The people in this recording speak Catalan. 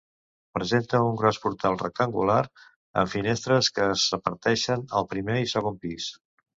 Presenta un gros portal rectangular amb finestres que es reparteixen al primer i segon pis.